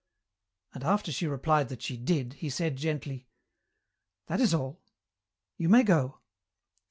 "And after she replied that she did, he said gently, 'That is all. You may go.'